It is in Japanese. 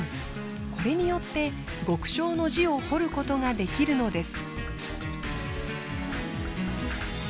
これによって極小の字を彫ることができるのです。